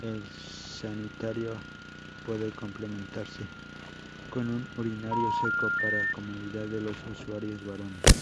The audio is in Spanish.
El sanitario puede complementarse con un urinario seco para comodidad de los usuarios varones.